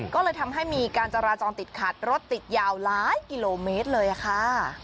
ก็เลยทำให้มีการจราจรติดขัดรถติดยาวหลายกิโลเมตรเลยค่ะ